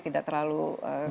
tidak terlalu caring